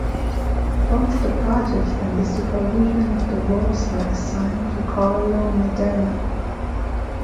Both the project and the supervision of the works were assigned to Carlo Maderno.